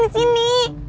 mau di sini